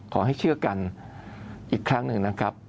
ขอให้เชื่อกันอีกครั้งหนึ่งนะครับ